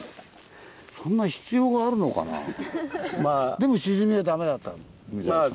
でもシジミはダメだったみたいですね。